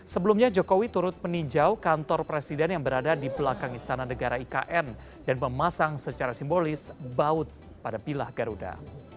sebelumnya jokowi turut meninjau kantor presiden yang berada di belakang istana negara ikn dan memasang secara simbolis baut pada pilah garuda